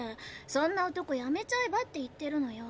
そんな男やめちゃえばって言ってるのよ。